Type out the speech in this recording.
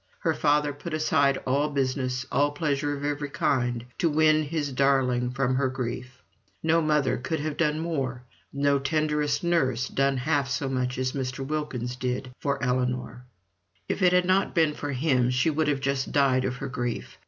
Her father put aside all business, all pleasure of every kind, to win his darling from her grief. No mother could have done more, no tenderest nurse done half so much as Mr. Wilkins then did for Ellinor. If it had not been for him she would have just died of her grief.